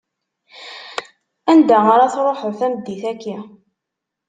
Anda ara tṛuḥeḍ tameddit-aki?